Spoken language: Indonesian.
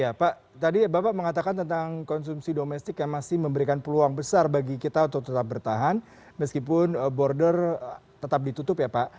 ya pak tadi bapak mengatakan tentang konsumsi domestik yang masih memberikan peluang besar bagi kita untuk tetap bertahan meskipun border tetap ditutup ya pak